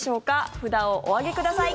札をお上げください。